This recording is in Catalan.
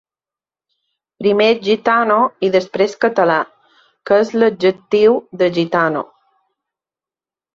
Primer gitano i després català, que és l’adjectiu de gitano.